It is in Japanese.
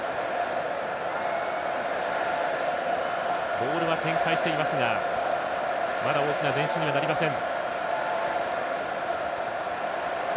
ボールは展開していますがまだ大きな前進にはなりません。